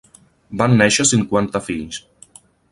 Van néixer cinquanta fills.